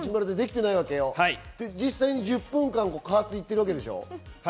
実際に１０分間、加圧してるわけでしょ？